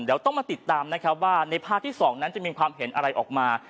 เดี๋ยวต้องมาติดตามนะครับว่าในภาคที่๒นั้นจะมีความเห็นอะไรออกมา